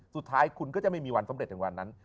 สุดท้ายคุณก็จะไม่มีวันสำเร็จถึงวันนั้น